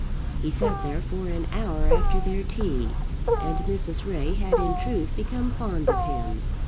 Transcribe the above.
He sat there for an hour after their tea, and Mrs. Ray had in truth become fond of him.